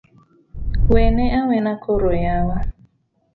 Wene awena kore yawa